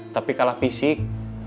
tapi kalah fisik